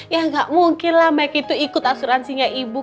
ya gak mungkin lah mike itu ikut asuransinya ibu